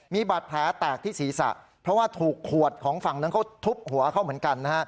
มีบาดแผลแตกที่ศีรษะเพราะว่าถูกขวดของฝั่งนั้นเขาทุบหัวเขาเหมือนกันนะฮะ